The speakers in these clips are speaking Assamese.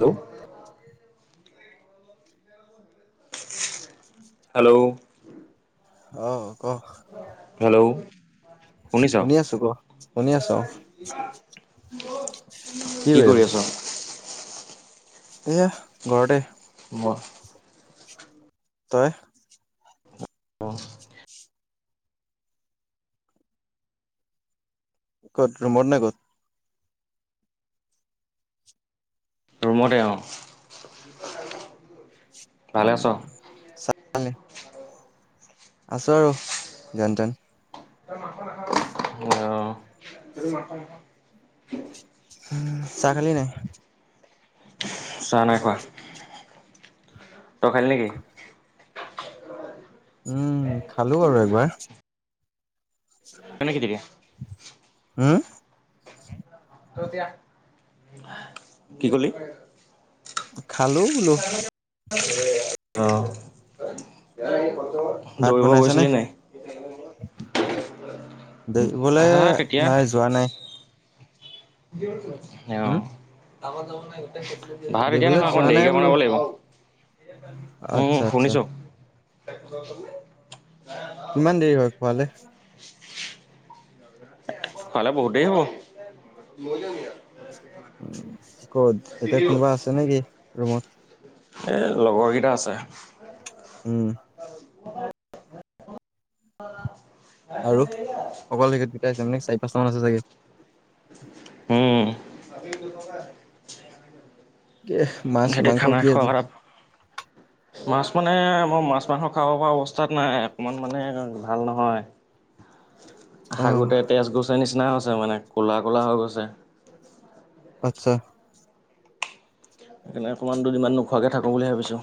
হেল্ল' হেল্ল' অঁ, ক। হেল্ল। শুনিছ? শুনি আছো ক। শুনি আছ? কি কৰি আছ? এয়া ঘৰতে। ৱাহ তই? অহ। ক'ত ৰুমত নে ক'ত? ৰুমতে অ। ভালে আছ? উম, চাহ খালি? আছো আৰু যেন তেন। অ। [unintelligible] উম, চাহ খালী নাই? চাহ নাই খোৱা। তই খালি নেকি? উম। খালো আৰু একবাৰ। ননাক দতিয়া? হু? কি কলি? খালো বুলো। অহ। ভাত দৌৰিব বনাইছে নে? গৈছিলি নাই? দে বোলে হা নাই যোৱা নাই। দেউত অ। উম কামত যাব নাই? ভাত এতিয়া দেৰিবলে নহয় অকণ যোৱা নাই দেৰিকে বোলো বনাব লাগিব। আচ্ছা উম আচ্ছা শুনিছো। [inaudible] কিমান দেৰি হয় খোৱালে? [unintelligible] ভালে বহুত দেৰি হব। মজমিয়া উ। ক'ত এতিয়া কোনোবা আছে নেকি ৰুমত? এ লগৰকেইটা আছে। উম [inaudible] [unintelligible] [unintelligible] আৰু অকল সিহঁত দুটাই আছেনে চাৰি পাঁচটামান আছে চাগে উম [unintelligible] এ মাছ সিহঁতি মাংস খানা কি খোৱা আজি কথা মাছ মানে মই মাছ মাংস খাব পৰা অৱস্থাত নাই অকণমান মানে ভাল নহয়। অ শাগোতে তেজ গৈছে নিচিনা হৈছে। এ মানে ক'লা ক'লা হৈ গৈছে। আত্ছা সেইকাৰণে দুদিনমান নোখোৱাকে থাকোঁ বুলি ভাবিছোঁ।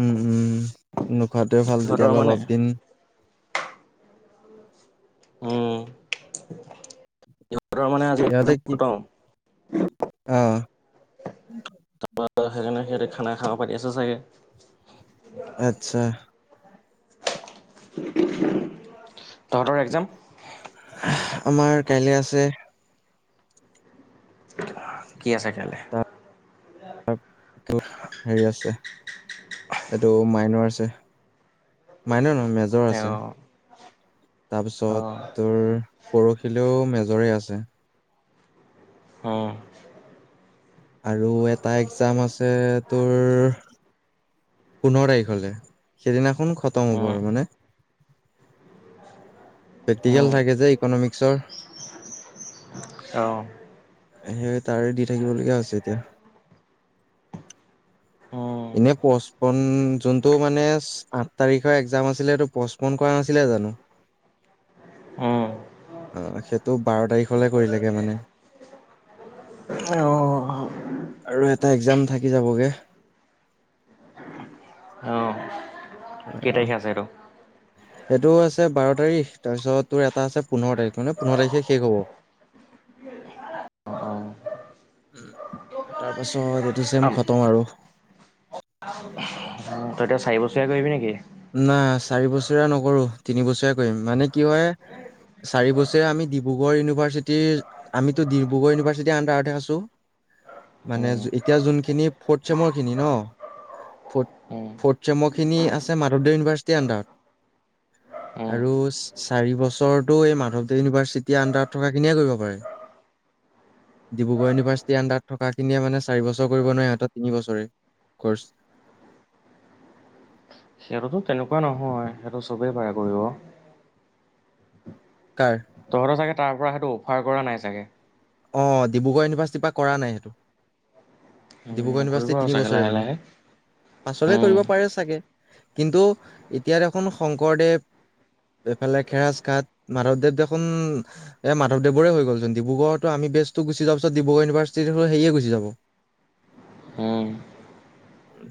উম উম খোৱাটোৱে ভাল ইহঁতৰ তেতিয়াহ'লে মানে অলপ দিন। উম [unintelligible] সিহঁতৰ মানে আজি এক্সাম খটম। অঁ ত সেইকাৰণে সিহঁতি খানা খা পাতি আছে চাগে আচ্ছা [inaudible] তহঁতৰ এক্সাম আমাৰ কাইলৈ আছে [unintelligible] কি আছে কাইলে [inaudible] ত কেলা হেৰি আছে, এইটো মাইনৰ আছে [inaudible] মাইনৰ নহয় মেজৰ আছে [inaudible] অঁ তাৰপিছত অঁ তোৰ, পৰহিলেও মেজৰে আছে হ [inaudible] আৰু এটা এক্সাম আছে তোৰ [inaudible] পোন্ধৰ তাৰিখলে সেইদিনাখন খতম হ'ব উম আৰু মানে [inaudible] প্ৰেক্টিকেল উম থাকে যে ইকনমিক্সৰ অঁ [inaudible] সেই তাৰে দি থাকিবলগীয়া হৈছে এতিয়া [inaudible] উম এনে পচপন, যোনটো মানে আঠ তাৰিখৰ একজাম আছিলে সেইটো পচপন কৰা নাছিলে জানো। উম অঁ সেইটো বাৰ তাৰিখলে কৰিলেগে মানে, অঁ আৰু এটা এক্সাম থাকি যাবগে অঁ কেই তাৰিখে আছে সেইটো সেইটো আছে বাৰ তাৰিখ তাৰ পিছত তোৰ এটা আছে পোন্ধৰ তাৰিখ মানে পোন্ধৰ তাৰিখে শেষ হব। অঁ তাৰপাছত ত এইটো চেম অঁ খতম আৰু উম, তই চাৰি বছৰীয়া কৰিবি নেকি? না চাৰি বছৰীয়া নকৰো তিনিবছৰীয়া কৰিম মানে কি হয় চাৰি বছৰীয়া আমি ডিব্ৰুগড় ইউনিভাৰ্চিটিৰ আমিতো ডিব্ৰুগড় ইউনিভাৰ্চিটিৰ আন্ডাৰতেহে আছো মানে উম, এতিয়া যোনখিনি ফৰ্থ চেমৰ খিনি ন ফ ফৰ্থ চেমৰ খিনি আ মাধৱদেৱ ইউনিভাৰ্চিটি আন্ডাৰত উম। আৰু চাৰি বছৰটো এই মাধৱদেৱ ইউনিভাৰ্চিটি আন্ডাৰত থকাখিনিয়ে কৰিব পাৰে ডিব্ৰুগড় ইউনিভাৰ্চিটি আন্ডাৰত থকাখিনিয়ে মানে চাৰিবছৰ কৰিব নোৱাৰে সিহঁতৰ তিনিবছৰে কৰ্চ সিহঁতটো তেনেকুৱা নহয় সিহঁটো চবেই পাৰ কৰিব। কাৰ তহঁতৰ চাগে তাৰ পৰা সেইটো অফাৰ কৰা নাই চাগে। অ ডিব্ৰুগড় ইউনিভাৰ্চিটিৰ পৰা কৰা নাই সেইটো উম, ডিব্ৰুগড় কৰিব ইউনিভাৰ্চিটি আৰু তিনি চাগে বছৰে লাহে মানে লাহে। পাছলে উম, কৰিব পাৰে চাগে কিন্তু এতিয়া দেখোন শংকৰদেৱ এইফালে খেৰাজঘাট মাধৱদেৱ দেখোন এই মাধৱদেৱৰে হৈ গ'লচোন ডিব্ৰুগড় আমি বেচটো গুচি যা পিছত ডিব্ৰুগড় ইউভাৰ্চিটি হলে সেয়ে গুচি যাব উম,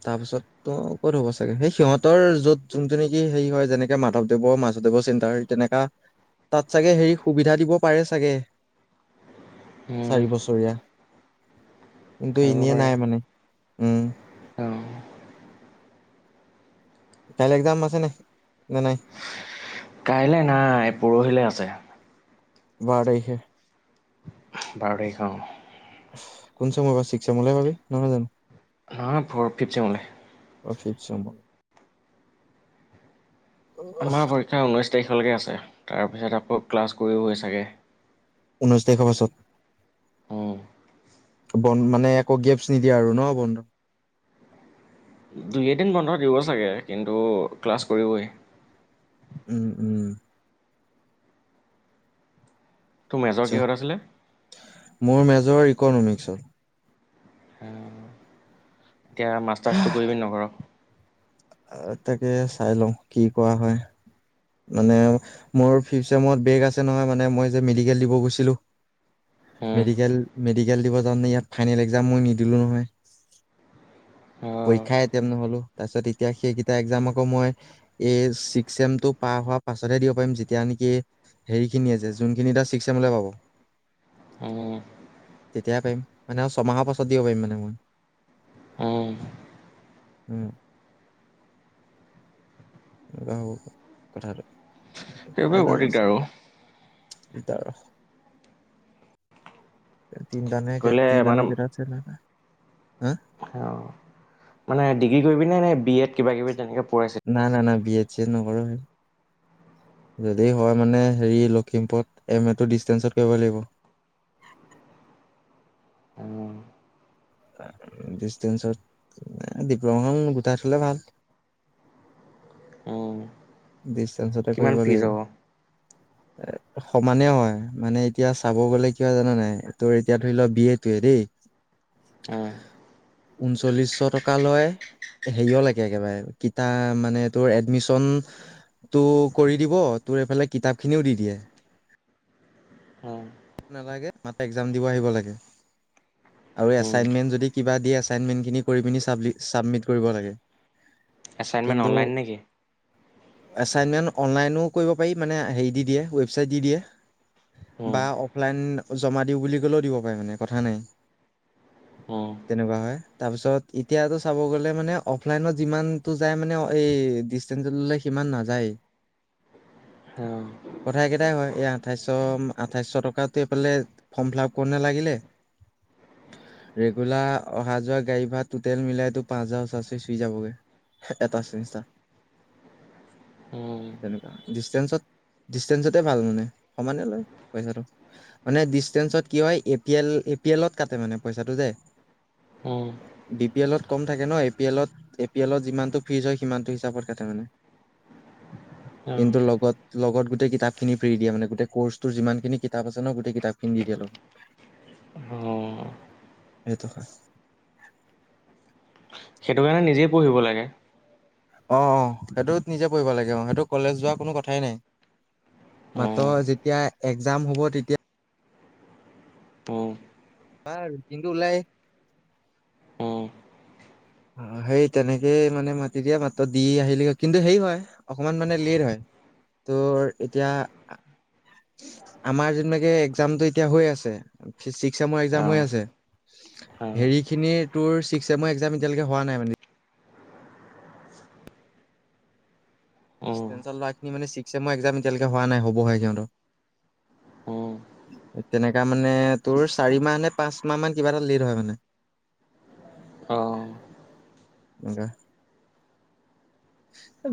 তাৰ পিছত তো ক'ত হ'ব চাগে সেই সিহঁতৰ যত যোনটো নেকি হেৰি হয় যেনেকে মাধৱদেৱ মাধদেৱৰ চেণ্টাৰ তেনেকা তাত চাগে হেৰি সুবিধা দিব পাৰে চাগে উম, চাৰি বছৰীয়া কিন্তু খাব এনেই পাৰে। নাই মানে উম অ', কাইলৈ এক্জাম আছে নে নাই কাইলে নাই পৰহিলে আছে। বা়ৰ তাৰিখে। বাৰ তাৰিখ অওঁ কোন চেময় বা চিশ চেমৰ পাবি নহয় জানো নহয় ফৰ ফিফ চঙালে অফিকছ আমাৰ পৰীক্ষা ঊনৈশ তাৰিখলৈকে আছে তাৰপিছত আকৌ ক্লাছ কৰিব চাগে ঊনৈশ তাৰিখৰ উম, পাছত বন্ মানে একো গেপছ নিদিয়ে আৰু ন বন্ধ দুই এদিন বন্ধ দিব চাগে কিন্তু ক্লাছ কৰিবই উম উম তোৰ মেজৰ আচ্ছা কিহত আছিলে। মোৰ মেজৰ ইকনমিক্সত আছিলে? এতিয়া মাষ্টাৰ্চটো কৰিবি নকৰৰ। অ তাকে চাই লওঁ কি কৰা হয়। মানে মোৰ ফিফ চেমত ব্ৰেগ আছে নহয় মানে মই যে মেডিকেল দিব গৈছিলো উম মেডিকেল মেডিকেল দিব যে ইয়াত ফাইনেল এক্জাম মই নিদিলো নহয় অ পৰীক্ষাইটম নহলো তাৰপিছত এতিয়া সেইকেইটা এক্জাম আকৌ মই এইছিকসেম পাৰ হোৱাৰ পাছতহে দিব পাৰিম যেতিয়া নেকি হেৰি খিনি আ যে যোনখিনি এটা ছিক্স এমলে পাব উম তেতিয়াই পাৰিম মানে আৰু ছমাহৰ পাছত দিব পাৰিম মানে মই উম উ এ হব কথা ব সেইবোৰে বৰ দিগদাৰ অ দিগদাৰ অ তিনটা নে কৰিলে তিনিটা মানে কেইটা আছিল নহয়। হা অ মানে ডিগ্ৰী কৰিবিনে বি এড কিবা কিবি তেনেকে পইছিল নাই নাই নাই বি এড চিয়েড নকৰো হয়। যদি হয় মানে হেৰি লখিমপুৰত এম এটো ডিষ্টেঞ্চত কৰিব লাগিব উম ডিচেঞ্চত ডিপ্লমা গোটাই থলে ভাল। উম বেছ ডিফেন্সতে কিমান কৰিব ফিজ লাগিব। হ'ব সমানে হয় মানে এতিয়া চাব গ'লে কি হয় জানা নাই, তোৰ এতিয়া ধৰি লোৱা বি এদ টোৱে দেই, উম ঊনচল্লিশশ টকা লয় হেৰিয় লেকে একেবাৰে কিতাপ মানে তোৰ এডমিচন টো কৰি দিব, তোৰ এইফালে কিতাপ খিনিও দি দিয়ে। উম নালাগে মাত্ৰ এক্সাম দিব আহিব লাগে আৰু উম এছাইনমেণ্ট যদি কিবা দিয়ে এছাইনমেণ্ট খিনি কৰি পিনি চাব ছাবমিট কৰিব লাগে। এছাইনমেণ্ট অনলাইন নেকি। এচাইনমেন্ট অনলাইনো কৰিব পাৰি মানে হেৰি দি দিয়ে ৱেবচাইট দি দিয়ে, উম বা অফলাইন জমা দিওঁ বুলি ক'লেও দিব পাৰে মানে কথা নাই, উম তেনেকুৱা হয় তাৰপিছত এতিয়াতো চাব গ'লে মানে অফলাইনত যিমানতটো যায় মানে এই ডিচতেঞ্চত ল'লে সিমান নাযায়ে, উম কথা একেটাই হয় এই আঠাইছশ-আঠাইছশ টকাত এইফালে ফৰ্ম ফিল আপ কৰুতেনে লাগিলে, ৰেগুলাৰ অহা যোৱা গাড়ী ভাৰা টুটেল মিলাই তোৰ পাঁচ হাজাৰ ওচৰা উচৰি চুই যাবগে এটা ছেমিষ্টাৰ, উম তেনেকুৱা ডিচটেন্স ডিচটেন্সতে ভাল মানে সমানে লয় পইচাটো। মানে ডিচটেন্সত কি হয়, A P L A P এলত কাট মানে পইচাটো যে, উম বি পি এলত কম থাকে ন, এ পি এলত এ পি এল ত যিমানটো ফিজ হয় সি সিমানটো হিচাপত কাটে মানে, উম কিন্ত লগত লগত গোটেই কিতাপ খিনি ফ্ৰী দিয়ে মানে, গোটেই ক'ৰচ টোৰ যিমানখিনি তাৰপাছত ন গোটেই কিতাপ কিনি দি দিয়ে তোক উম সেইটো হয় সেইটো কাৰণে নিজেই পঢ়িব লাগে। অঁ অঁ সেইটো নিজে পঢ়িব লাগে অঁ, সেইটো কলেজ যোৱাৰ কোনো কথাই নাই, মাত্ৰ উম যেতিয়া এক্জাম হ'ব তেতিয়া উম বাৰু দিনটো ওলাই উম অঁ, সেই তেনেকেই মানে মাতি দিয়া মাত্ৰ দি আহিলে কিন্তু হেৰি হয়, অকমান মানে লেট হয়, তোৰ এতিয়া আমাৰ যুনবাকে একজামটো এতিয়া হৈ আছে, ছিক্সচেমৰ এক্সাম অ হৈ আছে, অ হেৰি খিনিৰ তোৰ ছিক্স চেমৰ এক্সাম এতিয়ালৈকে হোৱা নাই মানে। উম ডিচতেঞ্চৰ ল'ৰাখিনি মানে ছিক্সেমৰ এক্জাম এতিয়ালৈকে হোৱা নাই হ'বহে উম সিহতৰ, তেনেকা মানে তোৰ চাৰি মাহ নে পাঁচ মাহ মান কিবা এটা লেট হয় মানে, অ এনে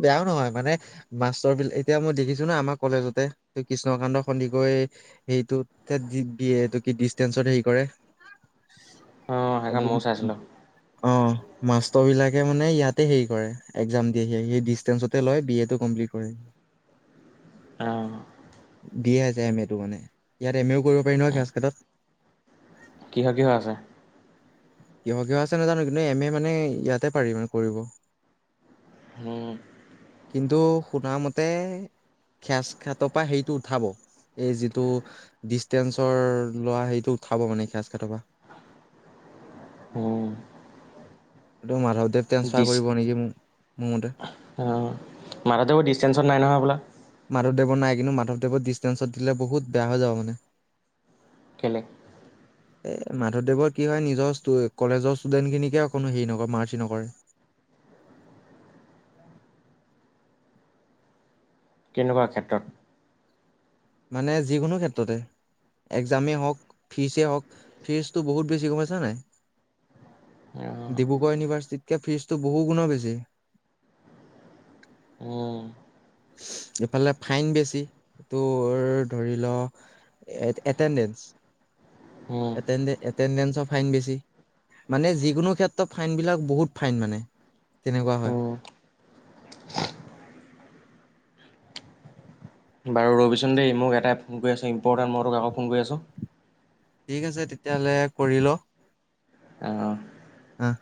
বেয়াও নহয় মানে মাষ্টৰ বিলাক এতিয়া মই দেখিছো ন আমাৰ কলেজতে কৃষ্ণকান্ত সন্দিকৈ হেৰিটো দ এইটো কি ডিচতেঞ্চত হেৰি কৰে। এখন মও চাইছিলো। অঁ, মাষ্টৰ বিলাকে মানে ইয়াতে হেৰি কৰে এক্জাম দিয়ে সি সেই ডিচেঞ্চতে লয় বি এটো কমপ্লিট কৰে, অ', দিয়ে আছে এম এটো মানে, ইয়াত এম এও কৰিব পাৰি নহয় খেৰাছ খাতত। কিহৰ কিহৰ আছে। কিহৰ -কিহৰ আছে নাজানো, কিন্তু এম এ মানে ইয়াতে পাৰি মানে কৰিব, উম, কিন্তু শুনা মতে খেৰাচ খাটৰ পৰা সেইটো উঠাব এই যিটো ডিষ্টেঞ্চৰ লোৱা সেইটো উঠাব মানে খেৰাচ খাতৰপা। উম, সেটো মাধৱদেৱ ট্ৰেন্ঞ্চফাৰ ডিচ কৰিব নেকি মোক মোৰ মতে অ', মাধৱদেৱৰ দিষ্টেঞ্চত নাই নহয় হ'বলা। মাধৱদেৱৰ নাই কিন্তু মাধৱদেৱত ডিচষ্টেঞ্চত দিলে বহুত বেয়া হৈ যাব মানে, কেলে এ মাধৱদেৱৰ কি হয় নিজৰ কলেজৰ ষ্টুডেন্ট খিনিকে অকোনো হেৰি নকৰে মাৰ্চি নকৰে। কেনেকুৱা ক্ষেত্ৰত। মানে যিকোনো ক্ষেত্ৰতে এক্জামেই হওঁক, ফিজেই হওঁক, ফিজটো বহুত বেছি গম পাইছা নাই, অ', ডিব্ৰুগড় ইউনিভাৰ্চিটিতকে ফিজটো বহু গুণৰ বেছি। উম, ইফালে ফাইন বেছি, তোৰ ধৰি ল এটেনডেছ, উম, এটেডেঞ্চৰ ফাইন বেছি মানে যিকোনো ক্ষেত্ৰত ফাইনবিলাক বহুত ফাইন মানে তেনেকুৱা হয়। উম, বাৰু ৰবিচোন দেই মোক এটাই ফোন কৰি আছে ইম্পৰ্টেনট মই তোক আকৌ ফোন কৰি আছোঁ। ঠিক আছে তেতিয়াহ'লে কৰি ল। অ'। আহ।